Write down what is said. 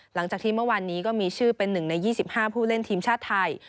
หลังจากที่เมื่อวานนี้ก็มีชื่อเป็น๑ใน๒๕ผู้เล่นทีมชาติไทย